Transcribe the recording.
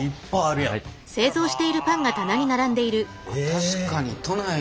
確かに都内では。